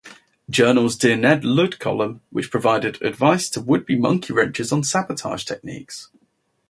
Journal"'s "Dear Nedd Ludd" column, which provided advice to would-be monkeywrenchers on sabotage techniques.